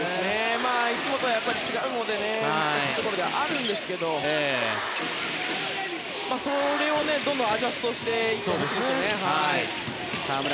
いつもとは違うので難しいところではありますけどそれをどんどんアジャストしてほしいですね。